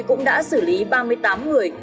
cũng đã xử lý ba mươi tám người